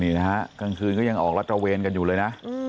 นี่นะฮะกลางคืนก็ยังออกรัฐระเวนกันอยู่เลยนะ